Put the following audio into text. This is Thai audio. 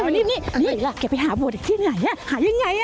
นี่นี่เขาออกไปหาบัวเด็กที่ไหน